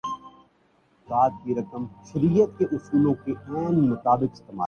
تو یہ حکمت عملی خود بخود کالعدم ہو جا نی چاہیے۔